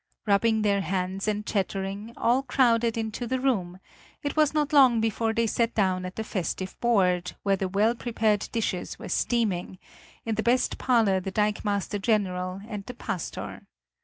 Rubbing their hands and chattering, all crowded into the room; it was not long before they sat down at the festive board, where the well prepared dishes were steaming in the best parlor the dikemaster general and the pastor.